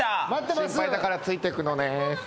心配だからついてくのねん。